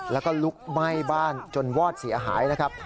แล้วก็ลุกไหม้บ้านจนวอดเสียหายนะครับ